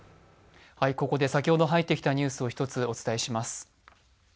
ここで先ほど入ってきたニュースを１つお伝えします。